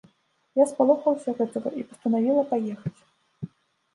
Я спалохалася гэтага і пастанавіла паехаць.